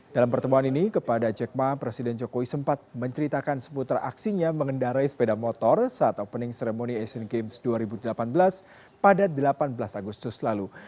dalam pertemuan ini kepada jack ma presiden jokowi sempat menceritakan seputar aksinya mengendarai sepeda motor saat opening ceremony asian games dua ribu delapan belas pada delapan belas agustus lalu